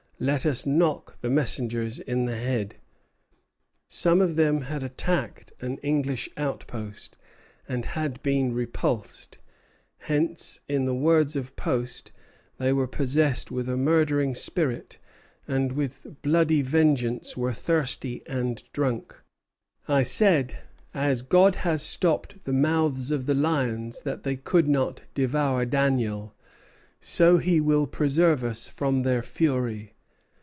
Let us knock the messengers in the head." Some of them had attacked an English outpost, and had been repulsed; hence, in the words of Post, "They were possessed with a murdering spirit, and with bloody vengeance were thirsty and drunk. I said: 'As God has stopped the mouths of the lions that they could not devour Daniel, so he will preserve us from their fury.'"